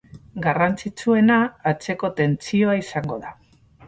Garrantzitsuena atzeko tentsioa izango da.